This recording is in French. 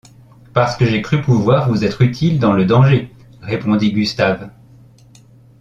Parce que j’ai cru pouvoir vous être utile dans le danger, répondit Gustave.